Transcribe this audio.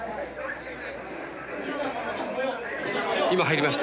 今入りました。